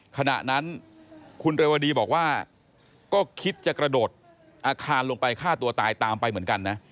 ขณะนั้นคุณเรวดีบอกว่าก็คิดจะกระโดดอาคารลงไปฆ่าตัวตายตามไปเหมือนกันนะ